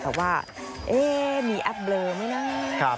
แต่ว่ามีแอปเบลอไหมนะ